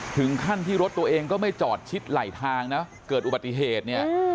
ถึงขั้นที่รถตัวเองก็ไม่จอดชิดไหลทางนะเกิดอุบัติเหตุเนี่ย